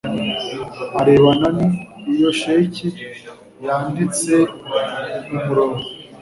arebana n iyo sheki yanditse mu murongo